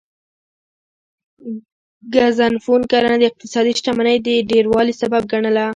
ګزنفون کرنه د اقتصادي شتمنۍ د ډیروالي سبب ګڼله